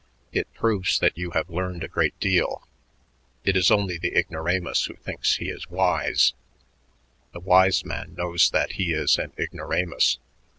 It proves that you have learned a great deal. It is only the ignoramus who thinks he is wise; the wise man knows that he is an ignoramus.